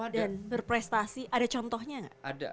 dan berprestasi ada contohnya gak